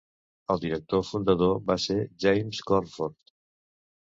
El director fundador va ser James Cornford.